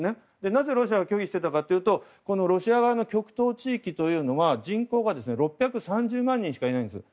なぜロシアは拒否していたかというとロシア側の極東地域は人口が６３０万人しかいないんです。